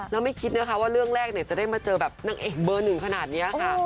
แล้วไม่คิดว่าเรื่องแรกจะได้มาเจอเอกเบอร์หนึ่งขนาดนี้